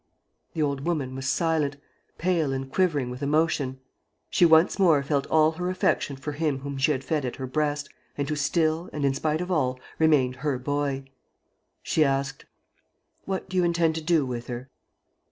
The old woman was silent, pale and quivering with emotion. She once more felt all her affection for him whom she had fed at her breast and who still and in spite of all remained "her boy." She asked: "What do you intend to do with her?"